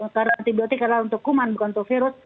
karena antibiotik adalah untuk kuman bukan untuk virus